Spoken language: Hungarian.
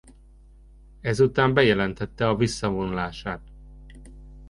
Ezután bejelentette a visszavonulását.